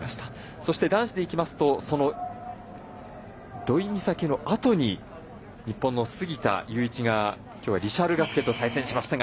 そして、男子でいきますと土居美咲のあとに日本の杉田祐一がきょうはリシャール・ガスケと対戦しましたが。